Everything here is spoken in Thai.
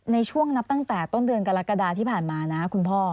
ในช่วงนับตั้งแต่ต้นเดือนกรกฎาที่ผ่านมานะคุณพ่อ